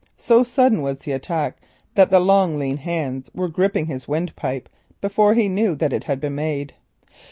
So sudden was the attack that the long lean hands were gripping his windpipe before he knew it had been made.